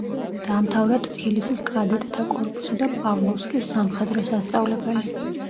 დაამთავრა ტფილისის კადეტთა კორპუსი და პავლოვსკის სამხედრო სასწავლებელი.